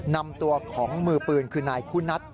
นำตัวของมือปืนคือนายคุณัท